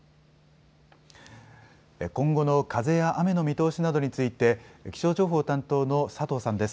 今後の風や雨の見通しなどについて気象情報担当の佐藤さんです。